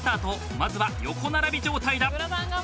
まずは横並び状態だ！